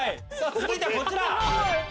続いてはこちら！